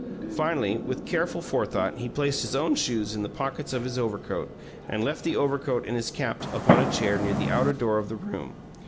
Finally, with careful forethought, he placed his own shoes in the pockets of his overcoat, and left the overcoat and his cap upon a chair near the outer door of the room.